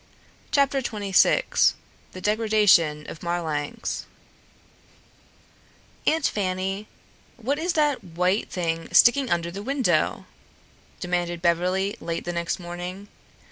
CHAPTER XXVI THE DEGRADATION OF MARLANX "Aunt Fanny, what is that white thing sticking under the window?" demanded Beverly late the next morning.